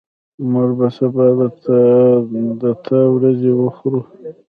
موږ به سبا د تا وریځي وخورو